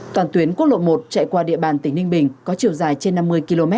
toàn tuyến quốc lộ một chạy qua địa bàn tỉnh ninh bình có chiều dài trên năm mươi km